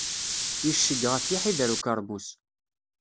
Yecceg ɣef iḥider ukermus.